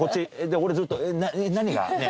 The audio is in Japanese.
で俺ずっと「え？何が？